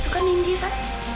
itu kan indira